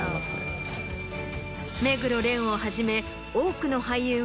目黒蓮をはじめ。